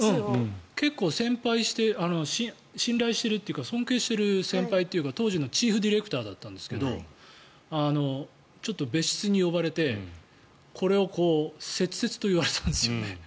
結構信頼しているというか尊敬している先輩というか当時のチーフディレクターだったんですけどちょっと別室に呼ばれてこれを切々と言われたんですよね。